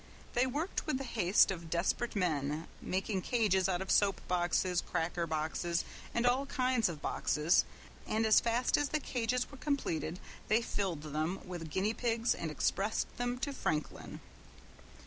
They worked with the haste of desperate men, making cages out of soap boxes, cracker boxes, and all kinds of boxes, and as fast as the cages were completed they filled them with guinea pigs and expressed them to Franklin.